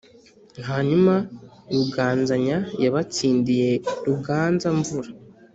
hanyuma ruganzanya yabatsindiye ruganza-mvura,